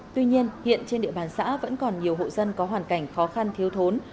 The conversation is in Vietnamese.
tuy nhiên hiện trên địa bàn xã vẫn còn nhiều hộ dân có hoàn cảnh khó khăn thiếu thốn